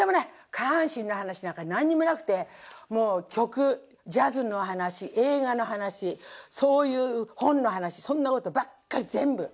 下半身の話なんか何にもなくてもう曲ジャズの話映画の話そういう本の話そんなことばっかり全部。